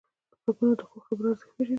غوږونه د ښو خبرو ارزښت پېژني